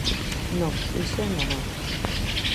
Non, iso é enganar.